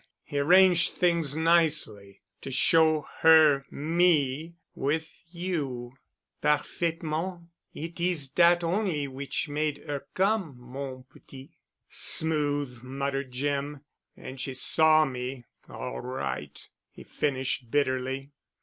He arranged things nicely. To show her me with you——" "Parfaitement! It is dat only which made 'er come, mon petit." "Smooth!" muttered Jim. "And she saw me, all right," he finished bitterly.